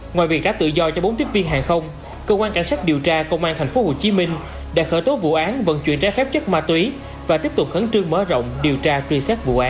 ngoài việc trả tự do cho bốn tiếp viên hàng không cơ quan cảnh sát điều tra công an tp hcm đã khởi tố vụ án vận chuyển trái phép chất ma túy và tiếp tục khấn trương mở rộng điều tra truy xét vụ án